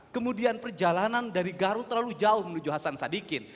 kemudian perjalanan dari garut terlalu jauh menuju hasan sadikin